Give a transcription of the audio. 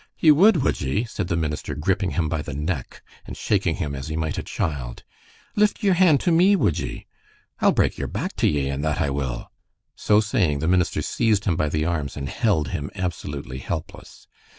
"Ye would, would ye?" said the minister, gripping him by the neck and shaking him as he might a child. "Lift ye're hand to me, would ye? I'll break you're back to ye, and that I will." So saying, the minister seized him by the arms and held him absolutely helpless.